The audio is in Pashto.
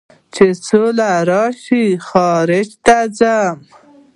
چې سوله راشي خارج ته ځم